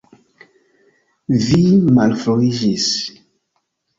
Vi malfruiĝis!